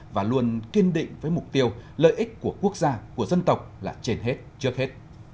và luôn kiên định với mục tiêu lợi ích của quốc gia của dân tộc là trên hết trước hết